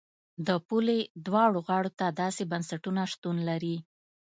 د پولې دواړو غاړو ته داسې بنسټونه شتون لري.